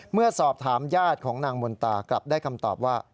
เมื่อสอบถามญาติของนางมนตากลับได้คำตอบว่า